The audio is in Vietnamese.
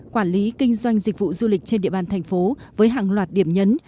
quản lý kinh doanh dịch vụ du lịch trên địa bàn thành phố với hàng loạt điểm nhấn